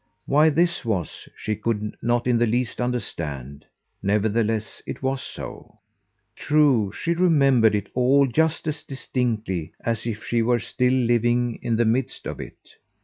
Why this was she could not in the least understand; nevertheless it was so. True, she remembered it all just as distinctly as if she were still living in the midst of it.